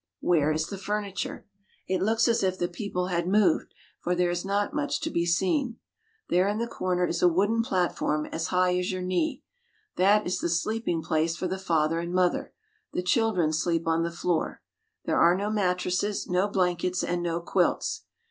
Where is the furniture ? It looks as if the people had moved, for there is not much to be seen. There in the corner is a wooden platform as high as your knee. That is the sleeping place for the father and mother. The children sleep on the floor. There are no mattresses, no blankets, and no quilts.